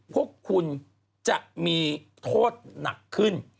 พวกคุณจะมีโทษหนักขึ้น